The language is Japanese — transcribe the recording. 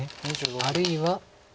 あるいは。